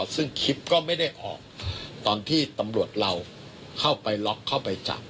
ซึ่งคลิปก็ไม่ได้ออกตอนที่ตำรวจเราเข้าไปล็อกเข้าไปจับ